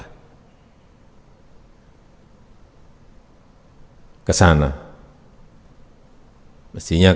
ini kekuasaan dari pemerintah